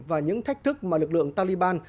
và những thách thức mà lực lượng taliban